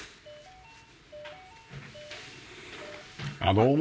どうも。